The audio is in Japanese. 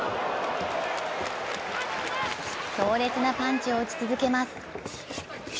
強烈なパンチを打ち続けます。